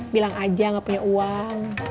bilang aja gak punya uang